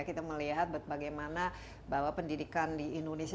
kita melihat bagaimana bahwa pendidikan di indonesia